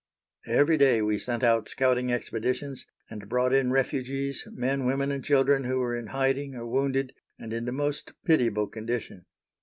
Every day we sent out scouting expeditions, and brought in refugees, men, women and children, who were in hiding or wounded, and in the most pitiable condition.